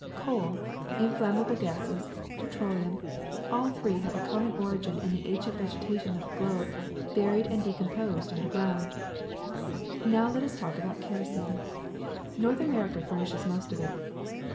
Coal, inflammable gases, petroleum, all three have a common origin in the ancient vegetation of the globe buried and decom posed underground. ^^Now let us talk about kerosene. North America furnishes most of it.